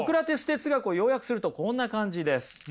哲学を要約するとこんな感じです。